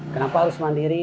kenapa harus mandiri